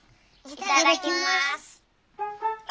いただきます！